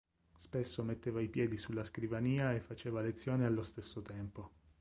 Spesso metteva i piedi sulla scrivania e faceva lezione allo stesso tempo.